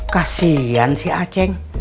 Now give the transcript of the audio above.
kasian si aceng